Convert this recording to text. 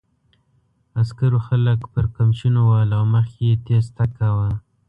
عسکرو خلک پر قمچینو وهل او مخکې یې تېز تګ کاوه.